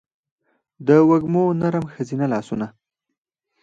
دوږمو نرم ښځینه لا سونه